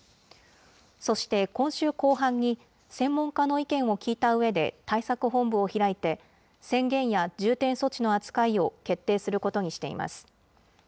そして今週後半に、専門家の意見を聞いたうえで対策本部を開いて、宣言や重点措置の扱いを決定することにしています。